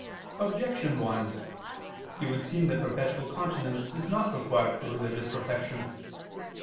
Objection 1: It would seem that perpetual continence is not required for religious perfection.